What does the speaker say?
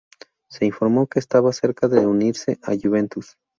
Se informó que estaba cerca de unirse a Juventus.